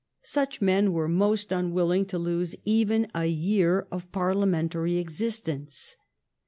Such men were most unwilling to lose even a year of Parliamentary existence.